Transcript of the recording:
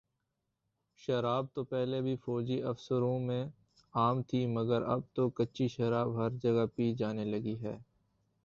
شراب تو پہلے بھی فوجی آفیسروں میں عام تھی مگر اب تو کچی شراب ہر جگہ پی جانے لگی ہے